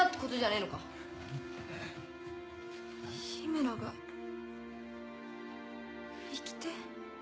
緋村が生きて。